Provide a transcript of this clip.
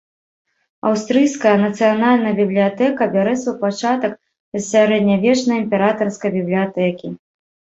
Аўстрыйская нацыянальная бібліятэка бярэ свой пачатак з сярэднявечнай імператарскай бібліятэкі.